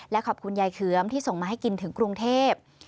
และขอบคุณยายเขือมที่ส่งมาให้กินถึงกรุงเทพ